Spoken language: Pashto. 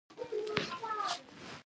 هېڅ پښتون به دې ته حاضر نه شي.